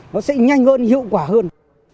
nó sẽ nhanh hơn hiệu quả hơn